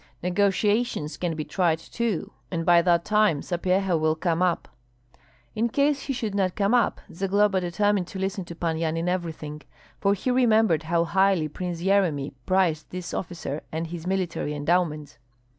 Negotiations can be tried too, and by that time Sapyeha will come up." In case he should not come up, Zagloba determined to listen to Pan Yan in everything, for he remembered how highly Prince Yeremi prized this officer and his military endowments.